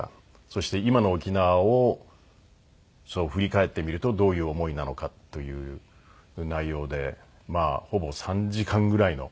そして今の沖縄を振り返ってみるとどういう思いなのかという内容でほぼ３時間ぐらいの。